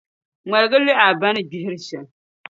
Ŋmalgi liɣi a ba ni gbihiri shɛm.